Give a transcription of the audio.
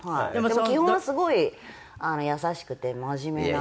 でも基本はすごい優しくて真面目な。